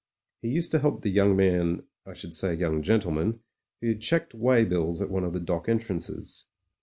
He used to help the young man — ^I should say young gentleman — ^who checked weigh bills at one of the dock entrances.